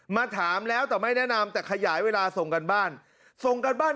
มาถามแล้วแต่ไม่แนะนำแต่ขยายเวลาส่งการบ้าน